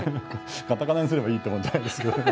カタカナにすればいいってもんじゃないですけどね。